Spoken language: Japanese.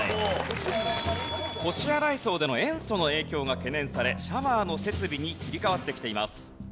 腰洗い槽での塩素の影響が懸念されシャワーの設備に切り替わってきています。